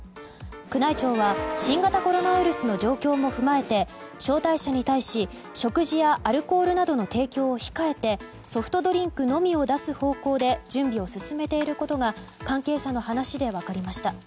宮内庁は、新型コロナウイルスの状況も踏まえて招待者に対し食事やアルコールなどの提供を控えてソフトドリンクのみを出す方向で準備を進めていることが関係者の話で分かりました。